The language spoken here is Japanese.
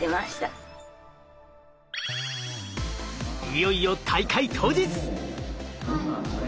いよいよ大会当日。